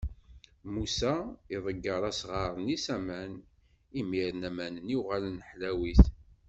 Musa iḍegger asɣar-nni s aman, imiren aman-nni uɣalen ḥlawit.